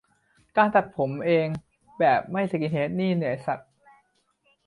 การตัดผมเองแบบไม่สกินเฮดนี่เหนื่อยสัส